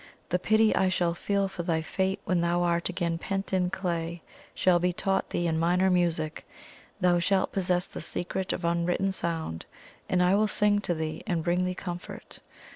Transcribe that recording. "The pity I shall feel for thy fate when thou art again pent in clay, shall be taught thee in minor music thou shalt possess the secret of unwritten sound, and I will sing to thee and bring thee comfort.